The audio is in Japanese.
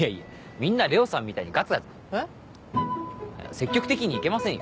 積極的にいけませんよ。